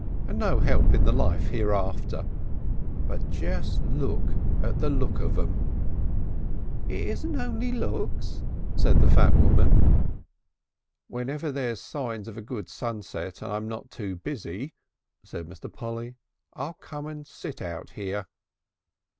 And no help in the life hereafter. But just look at the look of them!" "It isn't only looks," said the fat woman. "Whenever there's signs of a good sunset and I'm not too busy," said Mr. Polly, "I'll come and sit out here."